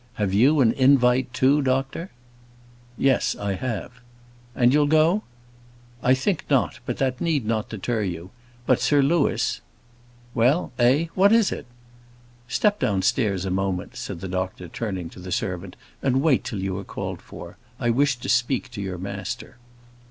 Have you an invite too, doctor?" "Yes; I have." "And you'll go?" "I think not; but that need not deter you. But, Sir Louis " "Well! eh! what is it?" "Step downstairs a moment," said the doctor, turning to the servant, "and wait till you are called for. I wish to speak to your master."